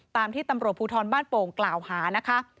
ตามที่ตำรวจภูทรบ้านโป่งกล่าวหานะคะ